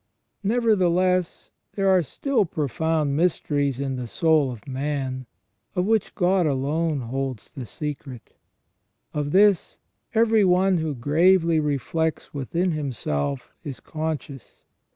Nevertheless, there are still profound mysteries in the soul of man, of which God alone holds the secret. Of this every one who gravely reflects within himself is conscious.